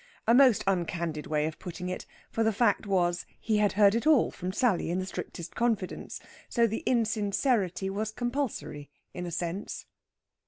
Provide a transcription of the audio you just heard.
A most uncandid way of putting it, for the fact was he had heard it all from Sally in the strictest confidence. So the insincerity was compulsory, in a sense.